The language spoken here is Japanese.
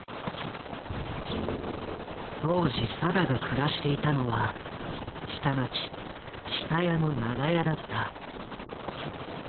当時定が暮らしていたのは下町下谷の長屋だった。